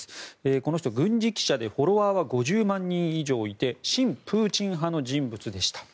この人、軍事記者でフォロワーは５０万人以上いて親プーチン派の人物でした。